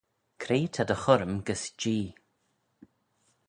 Cre ta dty churrym gys Jee?